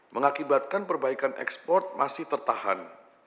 mengakibatkan perbaikan ekspor masih tertahan